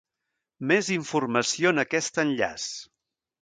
Més informació en aquest enllaç.